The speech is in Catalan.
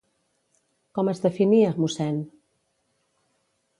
Com es definia, Mossèn?